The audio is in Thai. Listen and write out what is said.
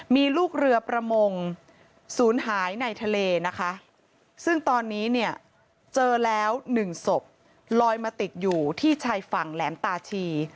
มีลูกเรือประมงศูนย์หายในทะเลนะคะซึ่งตอนนี้เนี่ยเจอแล้ว๑ศพลอยมาติดอยู่ที่ชายฝั่งแหลมตาชี